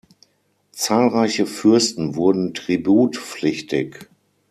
Zahlreiche Fürsten wurden tributpflichtig.